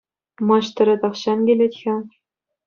Маҫтӑрӗ тахҫан килет-ха.